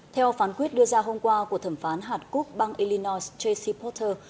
theo phán quyết đưa ra hôm qua của thẩm phán hạt quốc bang illinois j c porter